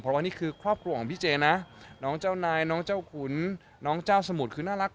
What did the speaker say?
เพราะว่านี่คือครอบครัวของพี่เจนะน้องเจ้านายน้องเจ้าขุนน้องเจ้าสมุทรคือน่ารัก